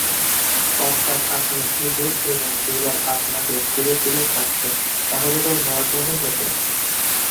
অর্থাৎ আপনি ইঁদুর এবং বিড়াল আপনাকে ছিঁড়ে-ছিঁড়ে খাচ্ছে-তাহলে ত ভয়াবহ হত।